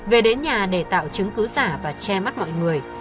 về đến nhà để tạo chứng cứ giả và che mắt mọi người